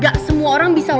gak semua orang bisa